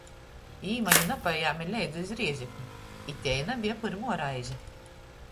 Jī mani napajēme leidza iz Rēzekni! I tei nabeja pyrmuo reize.